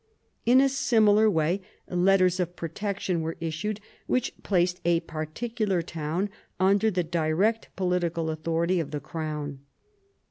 In a similar way letters of protection were issued, which placed a particular town under the direct political authority of the crown.